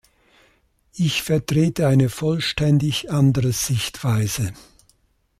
Ich vertrete eine vollständig andere Sichtweise.